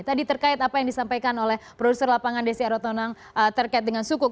tadi terkait apa yang disampaikan oleh produser lapangan desi arotonang terkait dengan sukuk